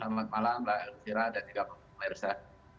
selamat malam baik baik